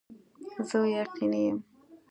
زه یقیني یم